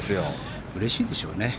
うれしいでしょうね。